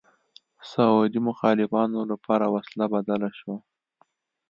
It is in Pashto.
سعودي مخالفانو لپاره وسله بدله شوه